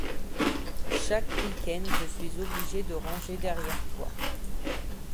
Chaque week-end, je suis obligée de ranger derrière toi.